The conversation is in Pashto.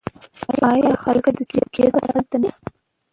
آیا خلک د سکي لپاره هلته نه ځي؟